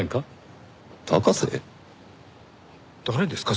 誰ですか？